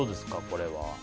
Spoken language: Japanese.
これは。